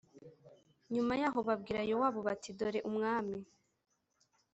nyuma yaho babwira yowabu bati dore umwami